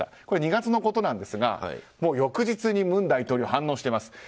これ２月のことなんですが翌日に文大統領が反応しています。